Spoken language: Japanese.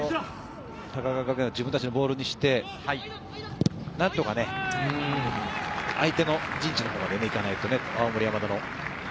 高川学園は自分たちのボールにして、何とか相手の陣地のほうまで行かないと、青森山田の。